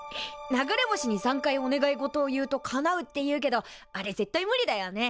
流れ星に３回お願い事を言うとかなうっていうけどあれ絶対無理だよね。